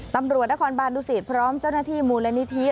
ตำรวจนครบานดุสิตพร้อมเจ้าหน้าที่มูลนิธิ